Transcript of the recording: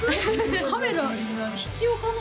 カメラ必要かな？